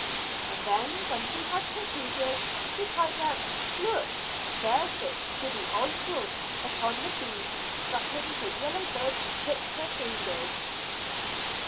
And then when he had concluded, she cried out, "Look! there sits Goody Osburn upon the beam, suckling her yellow bird betwixt her fingers."